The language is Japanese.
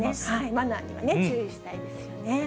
マナーには注意したいですよね。